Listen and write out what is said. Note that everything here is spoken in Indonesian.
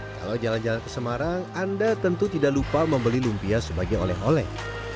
kalau jalan jalan ke semarang anda tentu tidak lupa membeli lumpia sebagai oleh oleh